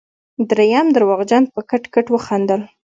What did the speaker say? دريم درواغجن په کټ کټ وخندل.